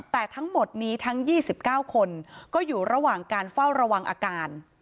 แต่ทั้งหมดนี้ทั้ง๒๙คนก็อยู่ระหว่างการเฝ้าระวังอาการ